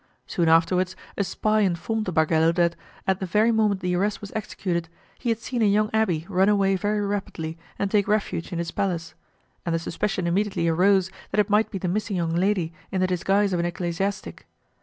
Soon afterwards a spy informed the bargello that, at the very moment the arrest was executed, he had seen a young abbé run away very rapidly and take refuge in this palace, and the suspicion immediately arose that it might be the missing young lady in the disguise of an ecclesiastic.